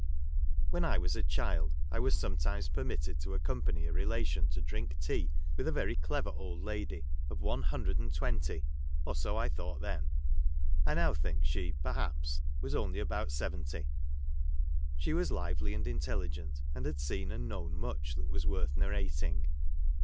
When I was a child, T was sometimes per mitted to accompany a relation to drink tea with a very clever old lady, of one hundred and twenty — or, so I thought then ; I now think she, perhaps, was only about seventy. She was lively and intelligent, and had seen and known much that was worth narrating.